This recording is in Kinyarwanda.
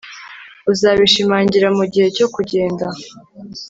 uzabishimangira mugihe cyo kugenda